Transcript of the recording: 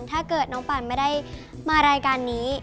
ถ้าเกิดน้องปานไม่ได้มารายการนี้